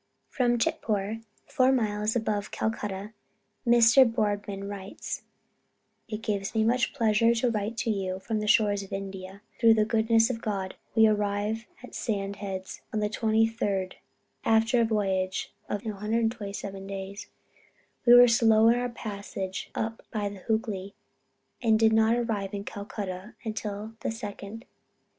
From Chitpore four miles above Calcutta, Mr. Boardman writes: "It gives me much pleasure to write you from the shores of India. Through the goodness of God we arrived at Sand Heads on the 23d ult., after a voyage of 127 days. We were slow in our passage up the Hoogly, and did not arrive in Calcutta until the 2d inst.